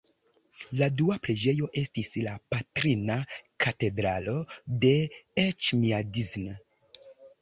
La dua preĝejo estis la Patrina Katedralo de Eĉmiadzin.